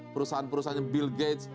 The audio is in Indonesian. perusahaan perusahaan bill gates